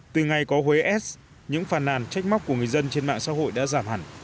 từ ngày có huế s những phàn nàn trách móc của người dân trên mạng xã hội đã giảm hẳn